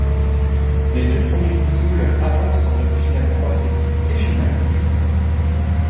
Les deux premiers de poule avancent en demi-finales croisées et finales.